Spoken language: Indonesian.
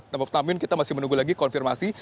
namun tamin kita masih menunggu lagi konfirmasi